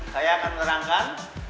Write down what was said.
saya akan menerangkan